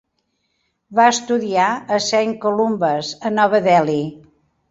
Va estudiar a Saint Columba's a Nova Delhi.